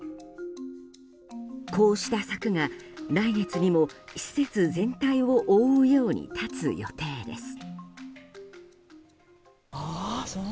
こうした柵が来月にも施設全体を覆うように建つ予定です。